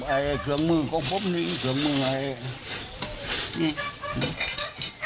ไอ้เกลืองมือของผมนี่เกลืองมือไอ้นี่